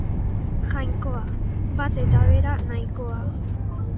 Jainkoa: bat eta bera nahikoa.